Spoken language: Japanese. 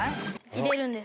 入れるんです。